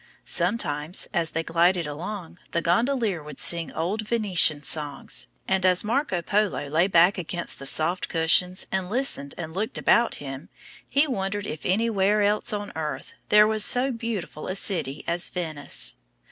Sometimes, as they glided along, the gondolier would sing old Venetian songs; and as Marco Polo lay back against the soft cushions and listened and looked about him, he wondered if anywhere else on earth there was so beautiful a city as Venice.